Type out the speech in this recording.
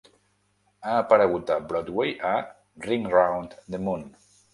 Ha aparegut a Broadway a "Ring Round the Moon".